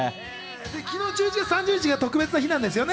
昨日１１月３０日、特別な日なんですよね。